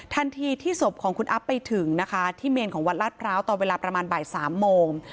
ทันทีที่ศพของคุณอัพไปถึงนะคะที่เมนของวัดลาดพร้าวตอนเวลาประมาณบ่ายสามโมง